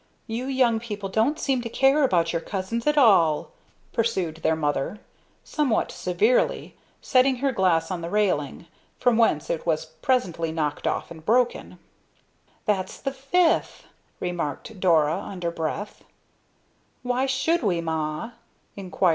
"You young people don't seem to care about your cousins at all!" pursued their mother, somewhat severely, setting her glass on the railing, from whence it was presently knocked off and broken. "That's the fifth!" remarked Dora, under breath. "Why should we, Ma?"